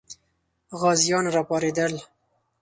غازیان راپارېدل.